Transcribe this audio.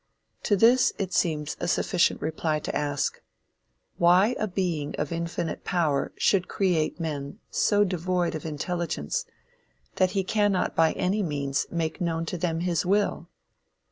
To this it seems a sufficient reply to ask, why a being of infinite power should create men so devoid of intelligence, that he cannot by any means make known to them his will?